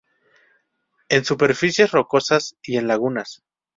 En superficies rocosas y en lagunas.